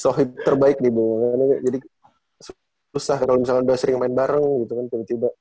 sohib terbaik nih bu jadi susah kalau misalkan udah sering main bareng gitu kan tiba tiba